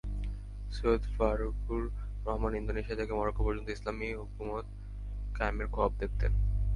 Syed Farukur Rahman Indonesia থেকে Morocco পর্যন্ত ইসলামি হুকুমত কায়েমের খোয়াব দেখতেন।